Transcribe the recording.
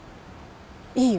いいよ。